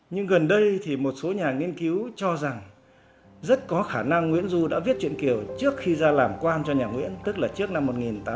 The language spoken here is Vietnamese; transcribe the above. nhưng gần đây thì một số nhà nghiên cứu cho rằng rất có khả năng nguyễn du đã viết chuyện kiều trước khi ra làm quan cho nhà nguyễn tức là trước năm một nghìn tám trăm tám mươi